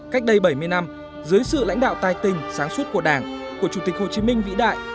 cách đây bảy mươi năm dưới sự lãnh đạo tài tình sáng suốt của đảng của chủ tịch hồ chí minh vĩ đại